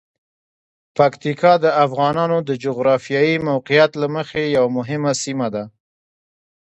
پکتیکا د افغانانو د جغرافیايی موقعیت له مخې یوه مهمه سیمه ده.